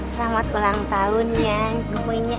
selamat ulang tahun ya gemoynya